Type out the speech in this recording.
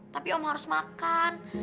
tapi om harus makan